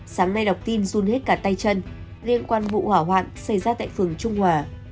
sáng nay đọc tin dùng hết cả tay chân liên quan vụ hỏa hoạn xảy ra tại phường trung hòa